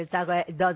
どうぞ。